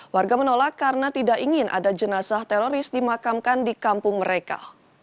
warga menolak karena tidak ingin ada jenazah teroris dimakamkan di kampung mereka